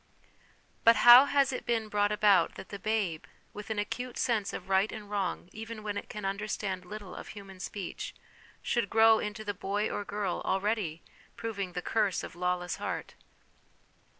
But how has it been brought about that the babe, with an acute sense of right and wrong even when it can understand little of human speech, should grow into the boy or girl already proving ' the curse of lawless heart